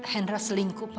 hendra selingkuh ma